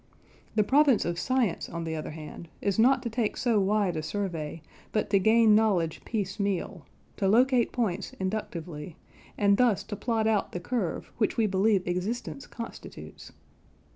The province of science, on the other hand, is not to take so wide a survey, but to gain knowledge piece meal: to locate points inductively, and thus to plot out the curve which we believe existence constitutes.